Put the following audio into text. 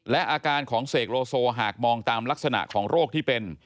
และอาการของเสกโลโซหากมองตามลักษณะของโรคที่เป็น